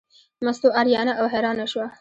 مستو اریانه او حیرانه شوه.